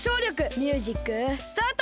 ミュージックスタート！